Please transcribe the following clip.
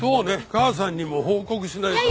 母さんにも報告しないとな。